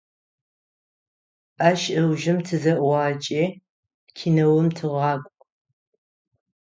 Ащ ыужым тызэӀугъакӀи, киноум тыгъакӀу.